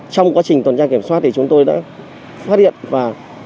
trong quá trình tuần tra kiểm soát thì chúng tôi đã phát hiện và